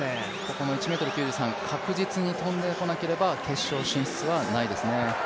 ここの１ｍ９３、確実に跳んでこなければ決勝進出はないですね。